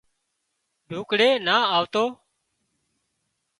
ڍوڪڙي نا آوتون